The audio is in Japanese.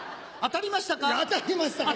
当たりましたか？